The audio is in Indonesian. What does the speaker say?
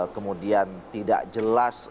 kemudian tidak jelas